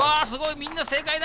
みんな正解だ。